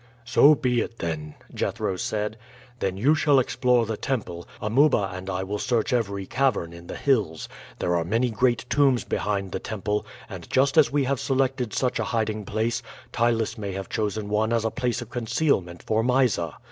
"So be it, then," Jethro said. "Then you shall explore the temple, Amuba and I will search every cavern in the hills. There are many great tombs behind the temple, and just as we have selected such a hiding place, Ptylus may have chosen one as a place of concealment for Mysa.